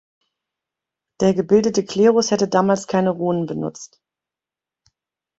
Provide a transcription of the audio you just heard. Der gebildete Klerus hätte damals keine Runen benutzt.